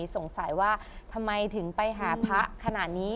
สงสัยว่าทำไมถึงไปหาพระขนาดนี้